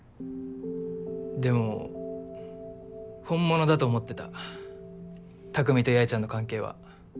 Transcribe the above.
でも本物だと思ってた匠と八重ちゃんの関係は。